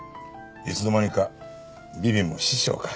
いつの間にかビビも師匠か。